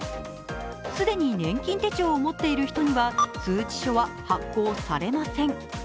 既に年金手帳を持っている人には通知書は発行されません。